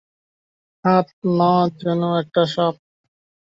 হাত না, যেন একটা সাপ।